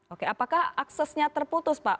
oke apakah aksesnya terputus pak